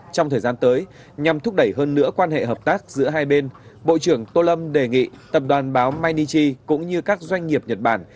trong thời gian tới nhằm thúc đẩy hơn nữa quan hệ hợp tác giữa hai bên bộ trưởng tô lâm đề nghị tập đoàn báo menichi cũng như các doanh nghiệp nhật bản